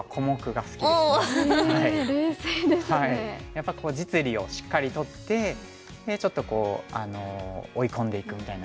やっぱり実利をしっかり取ってでちょっと追い込んでいくみたいな感じの。